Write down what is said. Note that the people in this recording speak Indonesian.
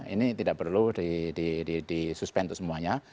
ini tidak perlu disuspend untuk semuanya